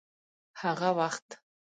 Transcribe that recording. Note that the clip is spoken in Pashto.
هغه وخت